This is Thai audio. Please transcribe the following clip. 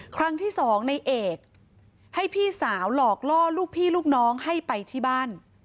ครั้งที่สองในเอกให้พี่สาวหลอกล่อลูกพี่ลูกน้องให้ไปที่บ้าน